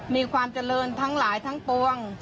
มีความเจริญทั้งหลายทั้งปวง